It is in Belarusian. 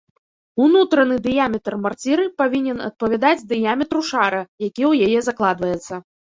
Унутраны дыяметр марціры павінен адпавядаць дыяметру шара, які ў яе закладваецца.